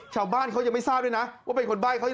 ชาวบ้านเขายังไม่ทราบด้วยนะว่าเป็นคนใบ้เขา